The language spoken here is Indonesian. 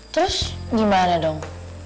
terus gimana dong